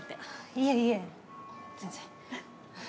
いえいえ全然。